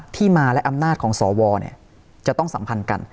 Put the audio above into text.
ที่มาและอำนาจของสวจะต้องสัมพันธ์กัน